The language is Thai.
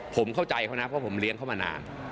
ผมเข้าใจเขานะเพราะผมเลี้ยงเขามานาน